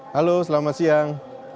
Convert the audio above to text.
halo selamat siang